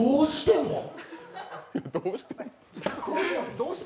どうした？